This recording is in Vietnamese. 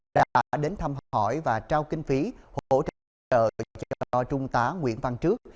đã đến thăm hỏi và trao kinh phí hỗ trợ cho trung tá nguyễn văn trước